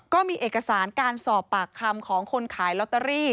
ก็มีเอกสารการสอบปากคำของคนขายลอตเตอรี่